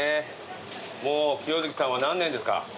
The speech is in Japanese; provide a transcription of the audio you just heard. もう清月さんは何年ですか？